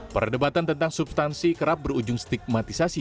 perdebatan tentang substansi kerap berujung stigmatisasi